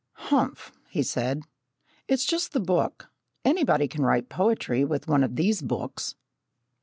"Humph!" he said; "it's just the book. Anybody can write poetry with one of these books!"